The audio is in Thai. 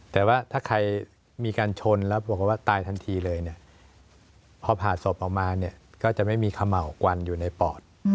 แต่ว่าถ้าใครมีการชนแล้วปรากฏว่าตายทันทีเลยเนี่ยพอผ่าศพออกมาเนี่ยก็จะไม่มีเขม่ากวันอยู่ในปอด